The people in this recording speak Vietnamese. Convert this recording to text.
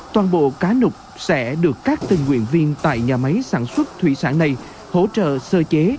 toàn bộ cá nục sẽ được các tình nguyện viên tại nhà máy sản xuất thủy sản này hỗ trợ sơ chế